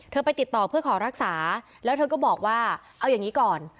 ไปติดต่อเพื่อขอรักษาแล้วเธอก็บอกว่าเอาอย่างนี้ก่อน